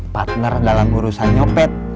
partner dalam urusan nyopet